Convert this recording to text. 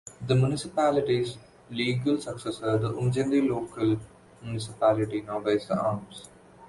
The municipality's legal successor, the Umjindi local municipality, now bears the arms.